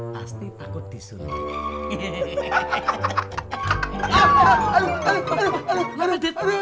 pasti takut disuntik